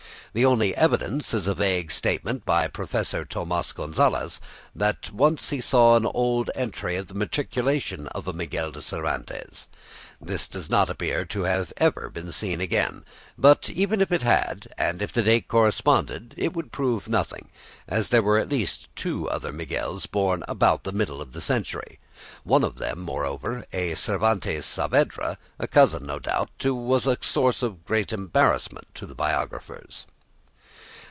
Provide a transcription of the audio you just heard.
The only evidence is a vague statement by Professor Tomas Gonzalez, that he once saw an old entry of the matriculation of a Miguel de Cervantes. This does not appear to have been ever seen again; but even if it had, and if the date corresponded, it would prove nothing, as there were at least two other Miguels born about the middle of the century; one of them, moreover, a Cervantes Saavedra, a cousin, no doubt, who was a source of great embarrassment to the biographers.